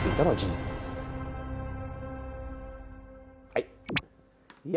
はい。